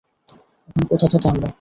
এখন কোথা থেকে আনবো?